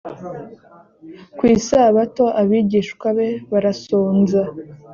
ku isabato abigishwa be barasonza